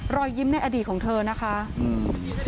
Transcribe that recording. รอยยิ้มในอดีตของเธอนะคะอืม